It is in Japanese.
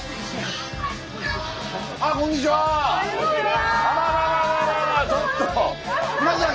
あっこんにちは。